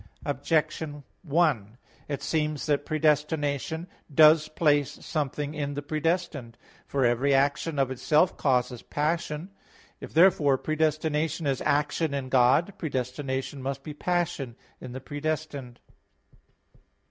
Objection 1: It seems that predestination does place something in the predestined. For every action of itself causes passion. If therefore predestination is action in God, predestination must be passion in the predestined.